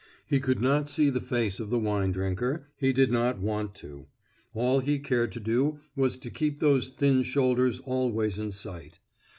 He could not see the face of the wine drinker; he did not want to. All he cared to do was to keep those thin shoulders always in sight.